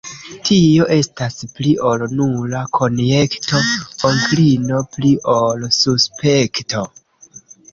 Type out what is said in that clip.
Tio estas pli ol nura konjekto, onklino; pli ol suspekto.